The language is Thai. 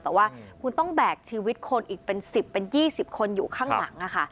แต่ว่าคุณต้องแบกชีวิตคนอีกเป็น๑๐เป็น๒๐คนอยู่ข้างหลัง